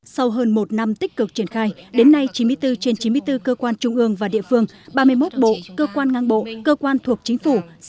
sau hơn một năm tích cực triển khai đến nay chín mươi bốn trên chín mươi bốn cơ quan trung ương và địa phương ba mươi một bộ cơ quan ngang bộ cơ quan thuộc chính phủ